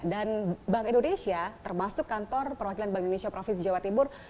dan bank indonesia termasuk kantor perwakilan bank indonesia provinsi jawa timur